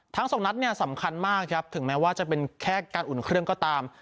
ทั้งสองนัดเนี่ยสำคัญมากครับถึงแม้ว่าจะเป็นแค่การอุ่นเครื่องก็ตาม